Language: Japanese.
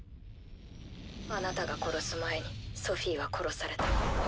あなたが殺す前にソフィは殺された。